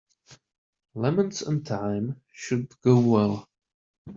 Lemons and thyme should go well.